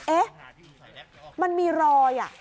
เอ๊ะมันมีรอย